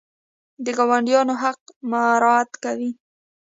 د ګاونډیانو حق مراعات کوئ؟